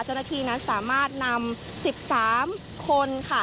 เจ้าหน้าที่นั้นสามารถนำ๑๓คนค่ะ